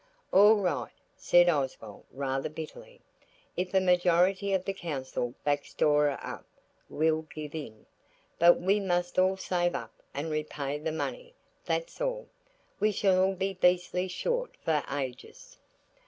"All right," said Oswald rather bitterly, "if a majority of the council backs Dora up, we'll give in. But we must all save up and repay the money, that's all. We shall all be beastly short for ages."